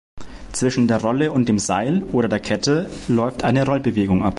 Zwischen der Rolle und dem Seil oder der Kette läuft eine Rollbewegung ab.